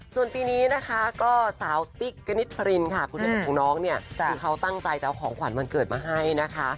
ส่วนปีนี้นะคะก็สาวติ๊กกณิตภรินค่ะคุณแม่ของน้องเนี่ยคือเขาตั้งใจจะเอาของขวัญวันเกิดมาให้นะคะ